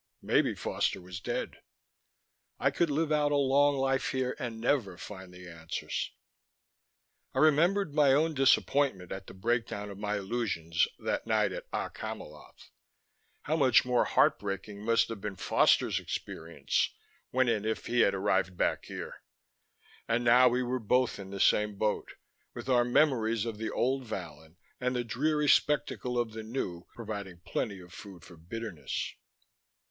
Maybe Foster was dead. I could live out a long life here and never find the answers. I remembered my own disappointment at the breakdown of my illusions that night at Okk Hamiloth. How much more heartbreaking must have been Foster's experience when and if he had arrived back here. And now we were both in the same boat: with our memories of the old Vallon and the dreary spectacle of the new providing plenty of food for bitterness.